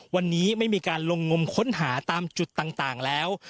วันนี้ไม่มีการลงงมค้นหาตามจุดต่างแล้ว